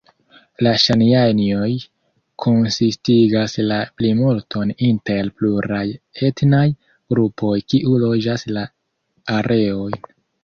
La Ŝanianjoj konsistigas la plimulton inter pluraj etnaj grupoj kiu loĝas la areon.